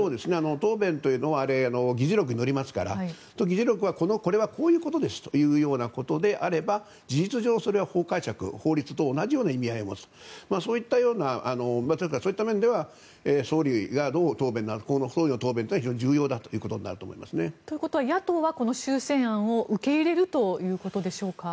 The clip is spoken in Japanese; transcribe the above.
答弁というのは議事録に載りますから議事録はこれはこういうことですというようなことであれば事実上それは法解釈法律と同じような意味合いを持つそういった面では総理の答弁というのは非常に重要だということになると思いますね。ということは野党はこの修正案を受け入れるということでしょうか。